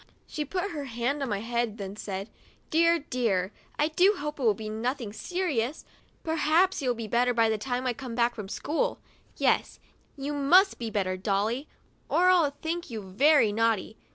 40 WEDNESDAY— I GET A NEW DRESS She put her hand on my head then, and said :" Dear, dear, I do hope it will be nothing serious! Perhaps you'll be better by the time I come back from school. Yes, you must be better, Dolly, or I'll think you very naughty.